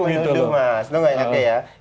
itu namanya begitu mas